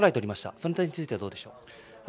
その点についてはどうでしょう？